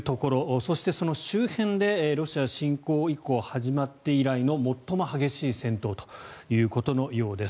そして、その周辺でロシア侵攻始まって以来の最も激しい戦闘ということのようです。